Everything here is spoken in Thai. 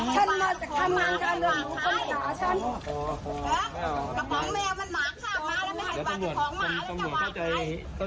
ใกล้มีกลัว